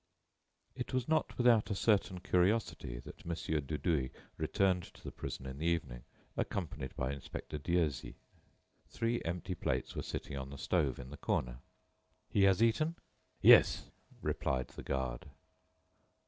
It was not without a certain curiosity that Mon. Dudouis returned to the prison in the evening, accompanied by Inspector Dieuzy. Three empty plates were sitting on the stove in the corner. "He has eaten?" "Yes," replied the guard.